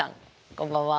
こんばんは。